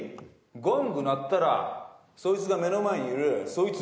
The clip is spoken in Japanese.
ゴング鳴ったらそいつが目の前にいるそいつ